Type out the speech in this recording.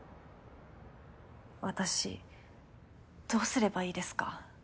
私どうすればいいですか？